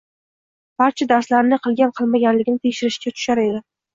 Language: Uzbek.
barcha darslarini qilgan-qilmaganligini tekshirishga tushar edi.